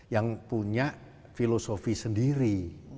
yang punya filosofi sendiri